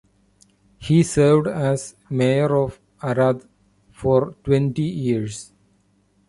He served as mayor of Arad for twenty years.